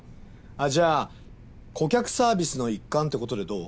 じゃあ顧客サービスの一環ってことでどう？